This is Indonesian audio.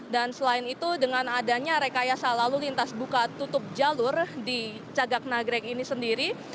dan selain itu dengan adanya rekayasa lalu lintas buka tutup jalur di cagak nagrek ini sendiri